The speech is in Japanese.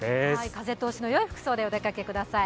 風通しのよい服装でお出かけください。